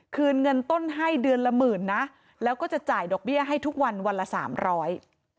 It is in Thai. คืนเงินต้นให้เดือนละหมื่นนะแล้วก็จะจ่ายดอกเบี้ยให้ทุกวันวันละสามร้อย